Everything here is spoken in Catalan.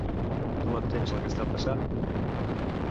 Tu entens el que està passant?